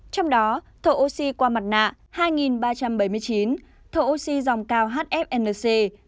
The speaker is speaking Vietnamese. trong đó thổ oxy qua mặt nạ hai ba trăm bảy mươi chín thổ oxy dòng cao hfnc năm trăm bảy mươi ba